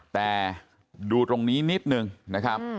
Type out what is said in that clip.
แต่ดูตรงนี้นิดนึงนะครับ